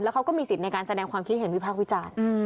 เขาก็มีสิทธิ์ในการแสดงความคิดเห็นวิพากษ์วิจารณ์